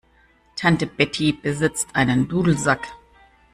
Tante Betty besitzt einen Dudelsack.